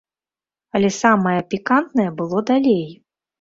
Але самае пікантнае было далей.